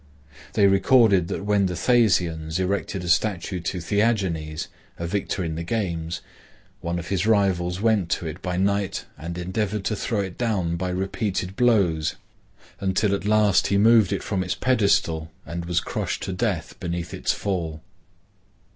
They recorded that when the Thasians erected a statue to Theagenes, a victor in the games, one of his rivals went to it by night and endeavored to throw it down by repeated blows, until at last he moved it from its pedestal and was crushed to death beneath its fall.